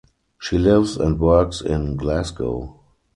She lives and works in Glasgow.